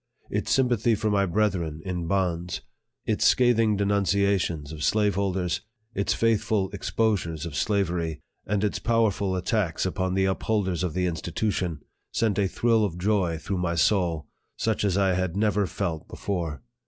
Its sympathy for my brethren in bonds its scathing denunciations of slaveholders its faithful exposures of slavery and its powerful attacks upon the upholders of the insti tution sent a thrill of joy through my soul, such as I had never felt before